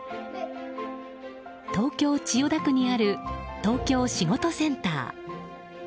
東京・千代田区にある東京しごとセンター。